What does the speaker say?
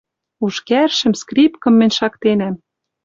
Уж кӓршӹм, скрипкым мӹнь шактенӓм.